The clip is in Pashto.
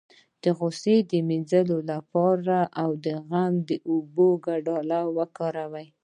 د غوسې د مینځلو لپاره د زغم او اوبو ګډول وکاروئ